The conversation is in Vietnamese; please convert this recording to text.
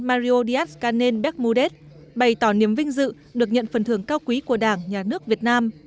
mario díaz canel becmudez bày tỏ niềm vinh dự được nhận phần thưởng cao quý của đảng nhà nước việt nam